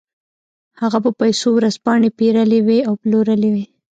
هغه په پیسو ورځپاڼې پېرلې وې او پلورلې وې